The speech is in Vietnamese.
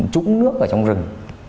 trúng nước ở trong rừng